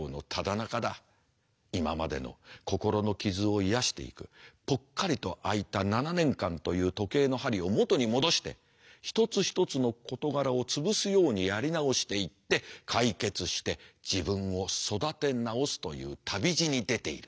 今までの心の傷を癒やしていくぽっかりと空いた７年間という時計の針を元に戻して一つ一つの事柄を潰すようにやり直していって解決して自分を育て直すという旅路に出ている。